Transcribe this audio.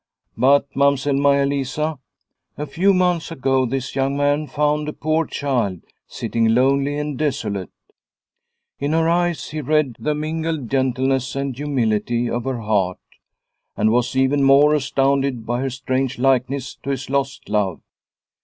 But, Mamsell Maia Lisa, a few months ago, this young man found a poor child sitting lonely and desolate. In her eyes he read the mingled gentleness and humility of her heart, and was even more astounded by her strange likeness 246 Liliecrona's Home to his lost love.